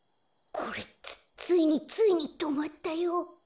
これつついについにとまったよ。